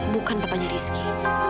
bukan papanya rizky